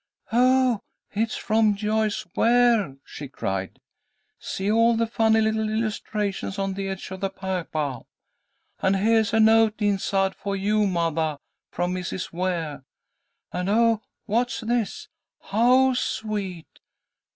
"Oh, it's from Joyce Ware!" she cried. "See all the funny little illustrations on the edge of the papah! And heah is a note inside for you, mothah, from Mrs. Ware, and oh, what's this? How sweet!"